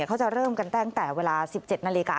เขาจะเริ่มกันตั้งแต่เวลา๑๗นาฬิกา